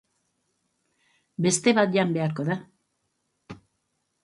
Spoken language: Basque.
Beste bat jan beharko da.